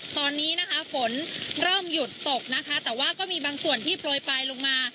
ตอนนี้นะคะฝนเริ่มหยุดตกนะคะแต่ว่าก็มีบางส่วนที่โปรยปลายลงมา